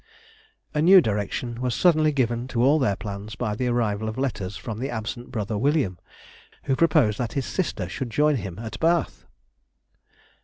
A new direction was suddenly given to all their plans by the arrival of letters from the absent brother William, who proposed that his sister should join him at Bath—